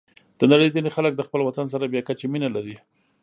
د نړۍ ځینې خلک د خپل وطن سره بې کچې مینه لري.